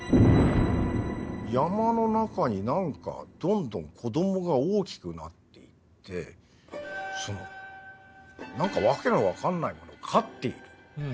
山の中に何かどんどん子どもが大きくなっていって何か訳の分かんないものを飼っている。